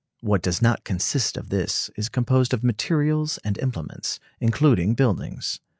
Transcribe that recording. What does not consist of this is composed of materials and implements, including buildings.